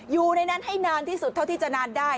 อยู่ในนั้นให้นานที่สุดเท่าที่จะนานได้